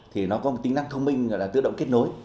thì nó có một tính năng thông minh gọi là tự động kết nối